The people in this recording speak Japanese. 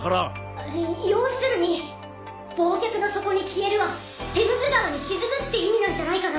要するに「忘却の底に消える」はテムズ川に沈むって意味なんじゃないかな。